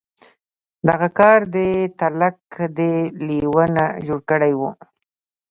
دغه کار دی تلک دې لېوه ته جوړ کړی و.